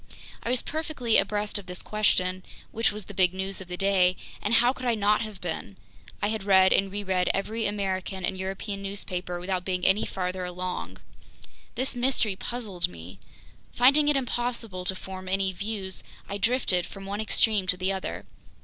I was perfectly abreast of this question, which was the big news of the day, and how could I not have been? I had read and reread every American and European newspaper without being any farther along. This mystery puzzled me. Finding it impossible to form any views, I drifted from one extreme to the other.